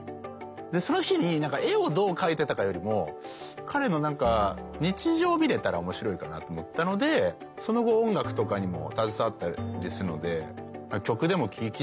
その日に絵をどう描いてたかよりも彼の何か日常を見れたら面白いかなと思ったのでその後音楽とかにも携わったりするので。